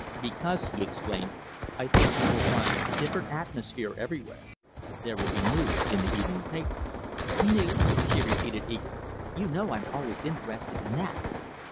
"Because," he explained, "I think you will find a different atmosphere everywhere. There will be news in the evening papers." "News?" she repeated eagerly. "You know I am always interested in that."